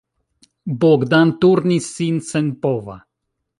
Bogdan turnis sin senpova.